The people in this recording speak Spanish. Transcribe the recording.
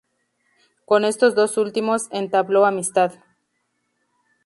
Con estos dos últimos entabló amistad.